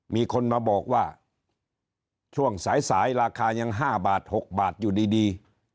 มีคนมาบอกว่าช่วงสายราคายัง๕บาท๖บาทอยู่ดี